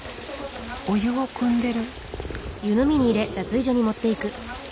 お湯をくんでる。